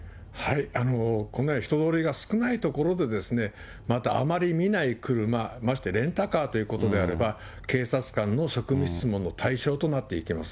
こんなに人通りが少ない所で、またあまり見ない車、ましてレンタカーということであれば、警察官の職務質問の対象となっていきます。